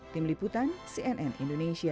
tim liputan cnn indonesia